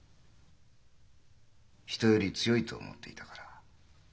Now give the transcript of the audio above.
人より強いと思っていたから。